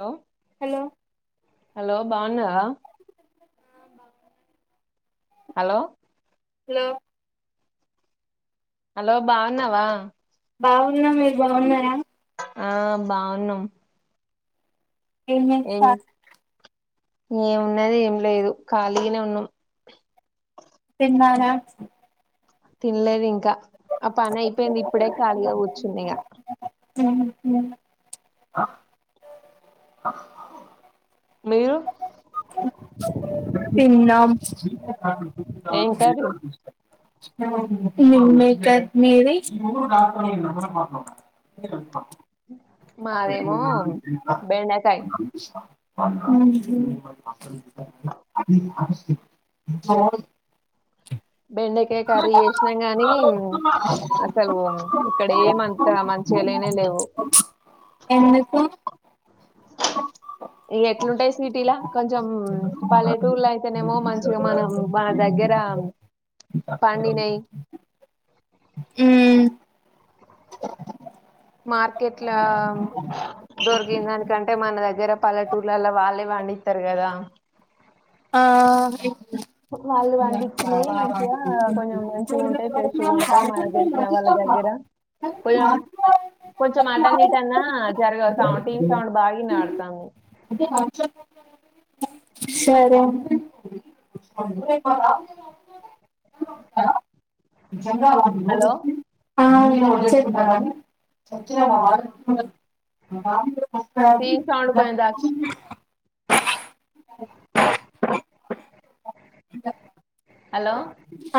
hello hello hello బాగున్నావా hello hello hello బాగున్నావా బాగున్నా మీరు బాగున్నార ఆ బాగున్నం ఏమి చేస్తారు ఏమున్నది ఏం లేదు ఖాళీగానే ఉన్నాం నానా తిన్లేదు ఇంకా ఆ పని అయిపోయింది ఇప్పుడే ఖాళీగా కూర్చున్న ఇగ [unintelligible] మీరు తిన్నాం ఏం కర్రీ నుండే కద్ మీది [inaudible] మాదేమో బెండకాయ్ [inaudible] ఉహ్ బెండకాయ కర్రీ చేసినాం గానీ అసలు ఇక్కడ ఏమంతా మ ఎందుకు [inaudible] ఇగ ఎట్లుంటాయి సిటీలా కొంచెం పల్లెటూర్లో అయితేనేమో మంచిగా మనం మన దగ్గ గ్గ రామ్ హ్మ్మ్ మార్కెట్ల దొరికింద దానికంటే మన దగ్గర పల్లెటూర్లలో వాళ్ళే పండితరుగదా ఆ వాళ్ళు పండించినాయి మంచిగా కొంచెం మంచిగా ఉంటాయి ఫ్రెష్గా ఉంటాయి మనకు తెలిసిన వాళ్ళ దగ్గర పోయోమ్ కొంచెం అటన్న ఇటన్న జరగ సౌండ్ టీవీ సౌండ్ బాగా ఈనబదడ్తది [unintelligible] సరే [inaudible] హలో అ ఇంగ చెప్ టీవీ సౌండ్ కొంచెం తగ్ [inaudible] [inaudible] హలో [inaudible] ఆ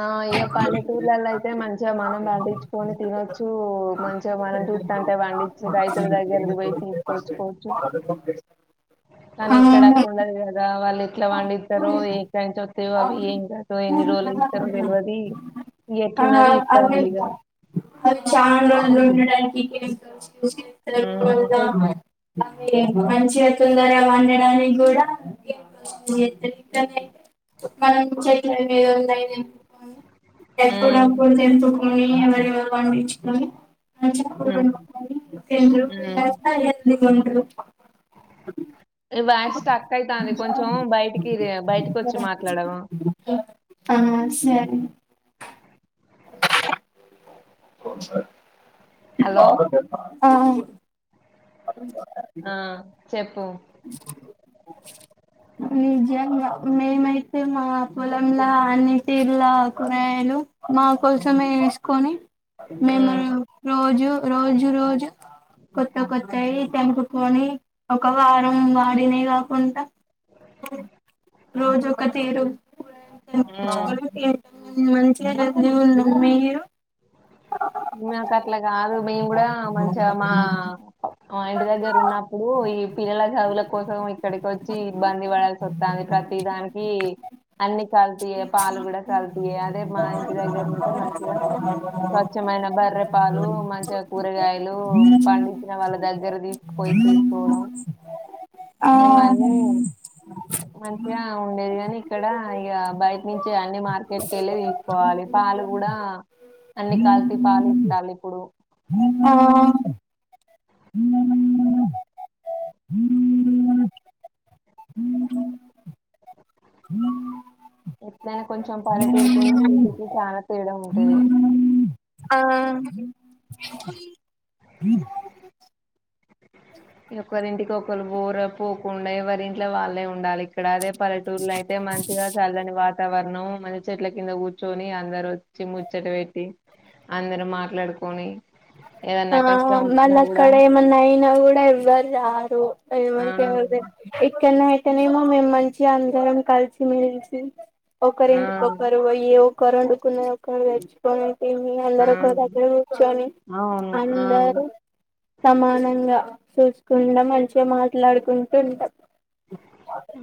ఆ ఇగా పల్లెటూర్లలో అయితే మంచిగా మనం పండించుకొని తినొచ్చు మంచిగా మనం చుట్టంటే పండించే రైతుల దగ్గరది పోయి తీసుకొచ్చుకోవచ్చు కానీ ఆ ఇక్కడ అట్లుండది కదా వాళ్ళు ఎట్లా పండిస్తారో ఏంకానుంచి ఓస్తాయ అవి ఏం కతో ఎన్ని రోజులకి ఇస్తారో తెలివది ఇంగా ఎట్లున్న తీసుకోవాలి ఇక ఆ [unintelligible] అ ఉమ్ మంచిగా [unintelligible] పండినయి కూడా మనం చేతే గిత్త [unintelligible] చెట్ల మీద ఉన్నా ఉమ్ ఎప్పుప్పుడు తెపుకొని ఎవరవ పండించుకని మంచిగ కూర ఉమ్ వండుకుని [unintelligible] మీ వాయిస్ స్ట్రక్ అయితంది కొంచెం కొంచం బయటికి బయటకి వచ్చి మాట్లాడవా ఆ సరే స హలో ఆ చెప్పు నిజంగా మేమైతే మా పొలంలా అన్ని తీరులా కూరగాయలు మా కోసమే వేసుకొని మేము ఉమ్ రోజు రోజు రోజు కొత్త కొత్తయి తెంపుకుని ఒక వారం వాడినయి కాకుండా రోజు ఒక తీరుంకురగాయలు ఉమ్ టెంపకచుకొని తింటాం మంచి [unintelligible] మీరు మాకు అట్లా కాదు మేము కూడా మంచిగా మా మా ఇంటి దగ్గర ఉన్నప్పుడు ఈ పిల్లల చదువుల కోసం ఇక్కడికి వచ్చి ఇబ్బంది పడాల్సి వస్తుంది ప్రతి దానికి అన్ని కల్తీయే పాలు కూడా కల్తీయే అదే మా ఇంటి దగ్గర ఉంటే మంచిగా స్వచ్ఛమైన బర్రెపాలు మంచిగా కూరగాయలు పండించిన వాళ్ళ దగ్గర తీసు పోయి తీసుకోవడం ఆ ఇవన్నీ మంచిగా ఉండేది కాని ఇక్కడ ఇక బయట నుంచి అన్ని మార్కెట్ కి వెళ్ళి తీసుకోవాలి పాలు కూడా అన్ని కల్తీ పాలు ఇస్తాలు ఇప్పుడు ఆ ఎట్లైన కొంచెం పల్లెటూరుకున్న సిటీకి చాలా తేడా ఉంటది ఆ ఒకరింటికి ఒకరు పోర పోకుండా ఎవరి ఇంట్లో వాళ్ళే ఉండాలి ఇక్కడ అదే పలెటూరులో అయితే మంచిగా చల్లని వాత తావరణం మంచి చెట్ల కింద కూర్చొని అందరు వచ్చి ముచ్చట పెట్టి అందరు మాట్లాడుకొని ఏదన్నా ఆ కష్టం వచ్చినా కూడా మళక్కడ ఏమన్నాయి న కూడా ఎవరు రారు ఆ ఎవరికి ఎవరు తెల ఇక్కన్నా అయితేనేమో మేం మంచిగా అందరం కలిసి మీలిసి ఆ ఒకరింటికి ఒకరు పోయి ఒకరు వండుకున్నాది ఒకరు తెచ్చుకొని ఏమి ఆ అందరు ఒక దగ్గర కూర్చొని అవును ఆ అందరూ సమానంగా చూసుకుండా మంచిగా మాట్లాడుకుంటుంటాం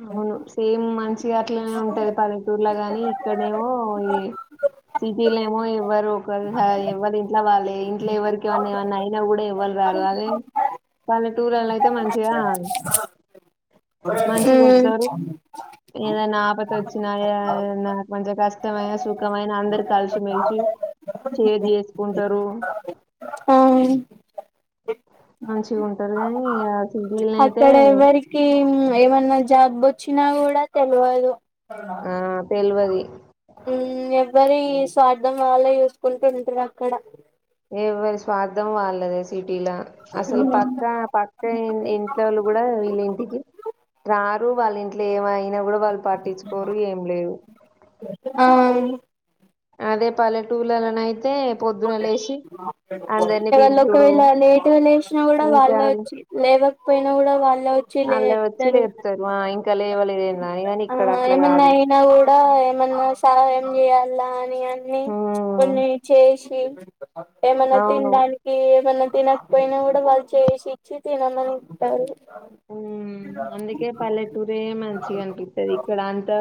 అవును సేమ్ మంచిగా అట్లనే ఉంటది పల్లెటూరులో గాని ఇక్కడేమో సిటీలో ఏమో ఎవ్వరు ఒక ఎవ్వరు ఇంట్లో వాళ్ళే ఇంట్లో ఎవరి వన్నా ఏవన్నా అయినా కూడా ఇవ్వలారు అదే పల్లె టూర్లో అయితే మంచిగా మంచి ఉమ్ వస్తారు ఏదైనా ఆపత వచ్చినా కొంచం కష్టమైన సుఖమైన అందరు కలిసుమెెలిసి షేర్ చేేసుకుంటారు ఆ మంచిగా ఉంటారు నీ ఇంకా సిటీల అయితే అక్కడ ఎవరికి ఏమన్నా జబ్ు వచ్చినా కూడా తెలియదు ఆ తెలివది ఉ ఎవ్వరి స్వార్థం వాళ్ళ చూసుకుంటూ ఉంటారు అక్కడ ఏ మరి స్వార్థం వాళ్ళదే ఇలా అసలు పక్కా పక్క ఇంట్లో వాళ్ళు కూడా వీళ్ళ ఇంటికి రారు వాళ్ళ ఇంట్లో ఏమైనా ఎవరు వాళ్ళు పాట్టించుకోరు ఏం లేదు ఆ అదే పల్లెటూర్లలో పొద్దున లేచే ఒకవేళ లేటుగా లేసినా కూడా వాళ్ళ ఇంకా వచ్చి లేవకపోయినా కూడా వాళ్ళ అలా వచ్చి వాళ్ళు వచ్చి లేపుతారు లేపుతారు ఆ ఇంకా లేవలేదేందా అని కానీ ఇక్కడ అట్లా ఏమన్నా కాదు అయినా కూడా ఏమన్నా సాయం చేయలానా ఉమ్ కొన్ని చేసి ఏమన్నా అవును తినడానికి ఏమన్నా తినకపోయినా కూడా వాళ్ళు చేసి ఇచ్చి తినమని ఇస్తారు ఉ హు అందుకే పల్లెటూరే మంచిగా అనిపింది ఇక్కడ అంతా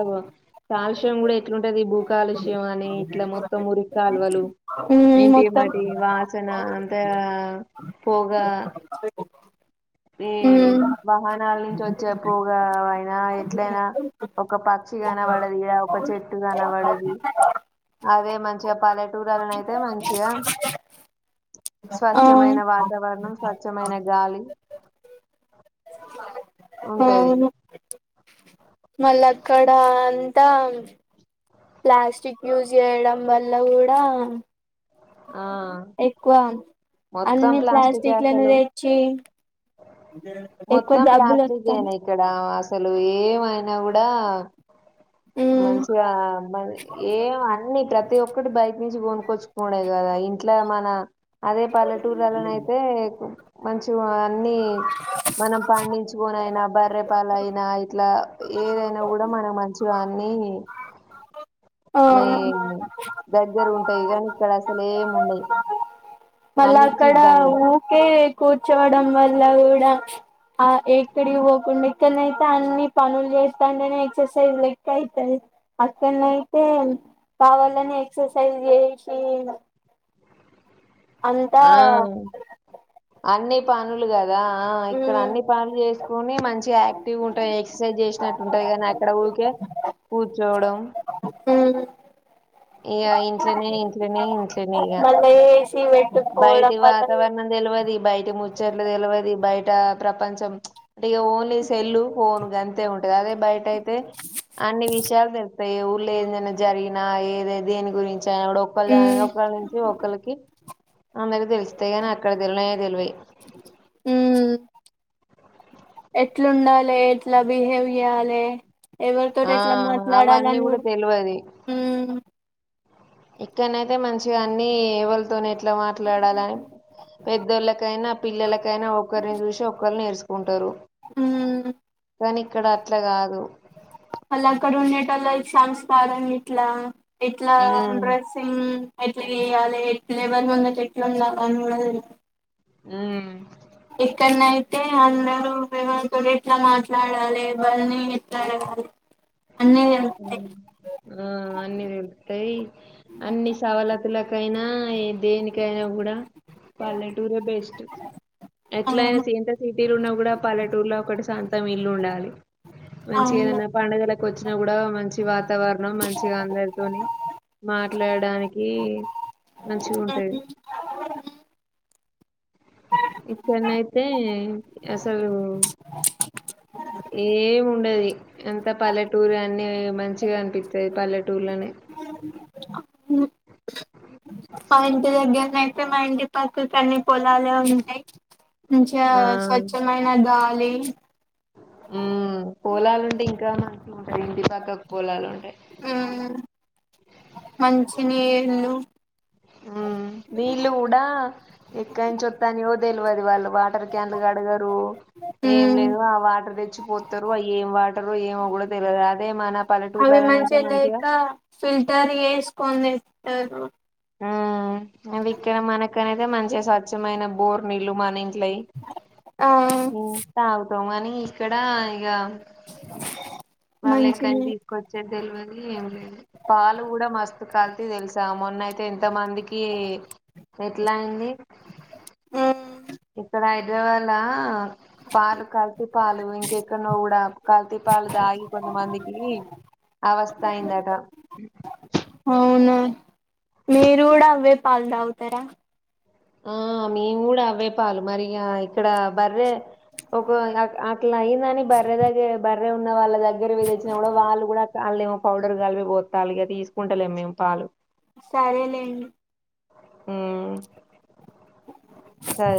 కాలుష్యం కూడా ఎట్లుంటది కాలుష్య అని ఇట్లా మొత్తం మురికాలువలు ఉమ్ ఇంటి మొత్తం మట్టి వాసన అంత పోగా ఈ ఉమ్ వాహనాల నుంచి వచ్చే పొగ అయినా ఎట్లయినా ఒక పక్షి కనబడదిగా ఒక చెట్టు కనబడది మంచిగా పల్లెటూరాలని అయితే మంచిగా ఆ స్వచ్ఛమైన వాతావరణం స్వచ్ఛమైన గాలి ఉంటది అవును మల్ల అక్కడ అంతా ప్లాస్టిక్ యూజ్ చేయడం వల్ల కూడా ఆ ఎక్కువ మొత్తం అన్ని ప్లాస్టికే ప్లాస్టిక్లను అసలు తెచ్చి ఎక్కువ మొత్తం జబ్బులు ప్లాస్టిక్ వస్తాయి ఏని ఇక్కడ అసలు ఏమైనా కూడా ఉమ్ మంచిగా ఏం అన్ని ప్రతి ఒక్కటి బయట నుంచి కొనుక్కచ్చుడే కదా ఇంట్లో మన అదే పల్లెటూరులోన అయితే మంచి అన్ని మనం పండించుకొని బర్రెపాలయినా ఇట్లా ఏదైనా కూడా మన మంచి అన్ని ఆ మేము దగ్గర ఉంటాయి కాని ఇక్కడ అసలే ఏమి ఉండయి మళ్ళా అన్నిటికీ అక్కడ ఇబ్బంది ఊకే కూర్చోవడం వల్ల కూడా ఆ ఎక్కడికి పోకుండా ఇకనైతే అన్ని పనులు చేస్తాంటేనే ఎక్సర్సైజ్ లెక్క అయితాయి అక్కనైతే కావాలని ఎక్సర్సైజ్ చేసి అంతా ఆ అన్ని పనులు కదా ఆ ఇక్కడ ఉమ్ అన్ని పనులు చేసుకొని మంచిగా యాక్టివ్ గా ఉంటాయి ఎక్సర్సైజ్ చేసినట్టు ఉంటది కానీ అక్కడ ఊరికే కూర్చోవడం ఇగా ఇంట్లోనే ఇంట్లోనే ఇంట్లోనే ఇగ మళ్ళ ఏసి పెట్టుకోవడం బయటి వల్ల వాతవరణం తెలువది ముచ్చట్లేదు తెలువది బయట ప్రపంచం అంటే ఓన్లీ సెల్లు ఫోను గంతే ఉంటది అదే బయట అయితే అన్ని విషయాలు తెలుస్తది ఏ ఊళ్ళ ఏదైనా జరిగినా ఏద దేని గురించి చేయడు [unintelligible] ఉమ్ ఒకల్లి నుంచి ఒకల్లికి అందరికి తెలిస్తేగాని అక్కడ తెల్నే తెల్వే ఎట్లుండాలే ఎట్లా బిహేవ్ చెయ్యాలే ఎవరితోటి ఆ ఎట్లా మాట్లాడాలని కూడా ఉమ్ ఇక్కన్నయితే మంచిగా అన్ని ఎవలతోనిఎట్లా మాట్లాడాలని పెద్దోళ్ళకైనా పిల్లలకైనా ఒకరిని చూసి ఒకళ్ళు నేర్చుకుంటారు ఉమ్ కానీ ఇక్కడ అట్లా కాదు వాళ్లు అక్కడ ఉండేటోళ్లు అయి మనం ఇట్లా ఇట్లా ఉమ్ డ్రెస్సింగ్ ఎట్లా చెయ్యాలే ఎవరు ముందు ఎట్లా ఉండాలో కూడా తెలవదు ఉమ్ ఎక్కడనయితే అందరూ ఎవరితో ఎట్లా మాట్లాడాలి వాళ్ళని ఎట్లా అడగాలి డోర్ సౌండ్ అన్నీ తెలుస్తాయి ఉమ్ ఆ అన్ని తెలుత్తాయి అన్ని సవలతులకైనా దేనికైనా కూడా పల్లెటూరే బెస్ట్ ఎట్లా అయినా ఎంత సిటీలో ఉన్నా కూడా పల్లెటూర్లో ఒకటి శాం తం ఇల్లు ఉండాలి మంచిగ అవును ఏదన్నా పండుగలకు వచ్చినా కూడా మం మంచి వాతావరణం మంచిగా అందరితోని మాట్లాడడానికి మంచిగుంటది ఇతనైతే అసలు ఏముండది ఎంత పల్లెటూరు అన్ని మంచిగా అనిపిస్తాది పల్లెటూరులోనే ఉ మా ఇంటి దగ్గరనైతే మా ఇంటి పక్కకి అన్ని పొలాలే ఉంటాయి మంచిగా ఆ స్వచ్ఛమైన గాలి ఉ పొలాలు ఉంటే ఇంకా మంచిగా ఉంటాయి ఇంటి పక్కకు పోలాలు ఉంటాయి ఆ మంచినీళ్లు ఉమ్ నీళ్లు కూడా ఎక్కడినుంచి వస్తానయో తెలవదు వాళ్ళు వాటర్ క్యాన్లు కడగరు ఏం లేదు ఆ వాటర్ తెచ్చిపోతారు ఆ ఏం వాటరు ఏమో కూడా తెలియదు అదే మన పల్లెటూరులో అవి నైతే మంచిగా లేక ఫిల్టర్ వేసుకొని తెత్తరు ఉ అవి ఇక్కడ మనక అనేతే మంచిగా స్వచ్ఛమైన బోర్ నీళ్లు మన ట్లయి ఆ ఉ తాగుతాం కానీ ఇక్కడ ఇగా వాళ్ళు ఎక్కడి మంచిగా తీసుకొచ్చేది తెల్వది ఏం లేదు పాలు కూడా మస్తు కల్తీ తెలుసా మో కొంత మందికి ఎట్లా అయింది ఇక్కడ ఇవాళ పాలు కల్తీ పాలు ఇంకెక్కడునో కూడా కల్తీ పాలు తాగి కొంతమందికి అవస్థ అయిందట అవునా మీరు కూడా అదే పాలు తాగుతారా ఆ మేము కూడా అవే పాలు మరి ఇగ ఇక్కడ బర్రె ఒక్కో ఇగ అట్లా అయిందని బర్రె దగ్గర బర్రె ఉన్న వాళ్ళ దగ్గ దగ్గరవి తెచ్చినా కూడా వాళ్ళ కూడా అలెమో పౌడర్ కగాలిపి పోతాలు ఇగా తీసుకుంటలేం మేము పాలు సరేలేండి ఉమ్ సరే